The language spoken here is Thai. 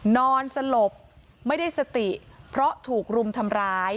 นอนสลบไม่ได้สติเพราะถูกรุมทำร้าย